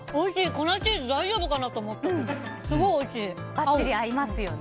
粉チーズ大丈夫かなと思ったけどすごいおいしい。